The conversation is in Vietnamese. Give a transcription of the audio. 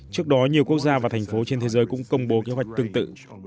trước đó nhiều quốc gia và thành phố trên thế giới cũng công bố kế hoạch tương tự